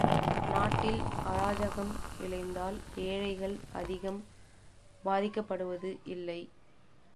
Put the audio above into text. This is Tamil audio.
நாட்டில் அராஜகம் விளைந்தால் ஏழைகள் அதிகம் பாதிக்கப்படுவது இல்லை.